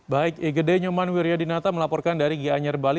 baik egede nyuman wiryadinata melaporkan dari gia nyar bali